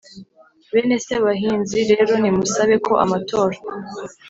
bene sebahinzi rero nimusabe ko amatora